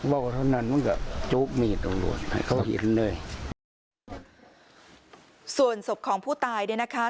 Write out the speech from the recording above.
ไม่เห็นตัวอ่ะเขาเห็นด้วยส่วนศพของผู้ตายด้วยนะคะ